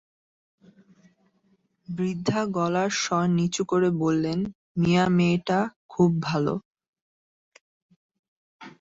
বৃদ্ধা গলার স্বর নিচু করে বললেন, মিয়া মেয়েটা খুব ভালো।